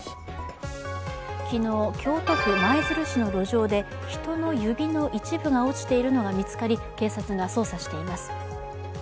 昨日、京都府舞鶴市の路上で人の指の一部が落ちているのが見つかり警察が捜査しています。